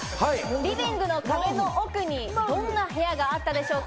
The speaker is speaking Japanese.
リビングの壁の奥にどんな部屋があったでしょうか？